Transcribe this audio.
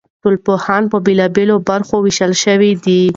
ټولنپوهنه په بېلابېلو برخو ویشل شوې ده.